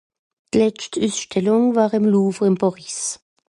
D'letscht üssstellùng war ìm Louvre ìn Pàris.